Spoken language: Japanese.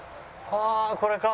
ああこれか。